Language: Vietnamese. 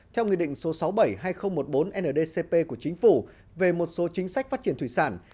theo nghị định số sáu mươi bảy hai nghìn một mươi bốn ndcp của chính phủ về một số chính sách phát triển thủy sản